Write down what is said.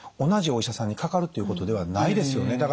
同じお医者さんにかかるっていうことではないですよね？